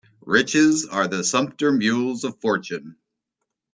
Riches are the sumpter mules of fortune